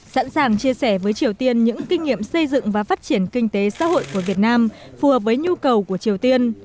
sẵn sàng chia sẻ với triều tiên những kinh nghiệm xây dựng và phát triển kinh tế xã hội của việt nam phù hợp với nhu cầu của triều tiên